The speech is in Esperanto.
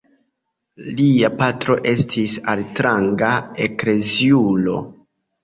Lia patro estis altranga ekleziulo.